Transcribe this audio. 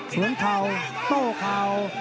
สวนเข่าโต้เข่า